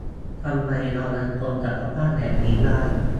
ทำไมเรายังทนกับสภาพแบบนี้ได้ ?